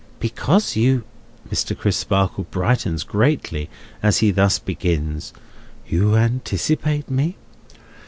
"Because you—?" Mr. Crisparkle brightens greatly as he thus begins. "You anticipate me.